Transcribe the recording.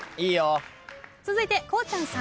続いてこうちゃんさん。